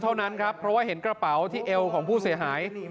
เท่านั้นครับเพราะว่าเห็นกระเป๋าที่เอวของผู้เสียหาย